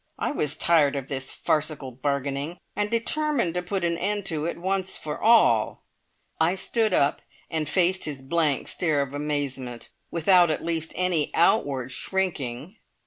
I was tired of this farcical bargaining, and determined to put an end to it, once for all. I stood up and faced his blank stare of amazement, without at least any outward shrinking.